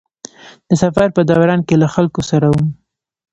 د سفر په دوران کې له خلکو سره وم.